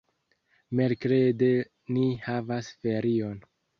Merkrede ni havas ferion.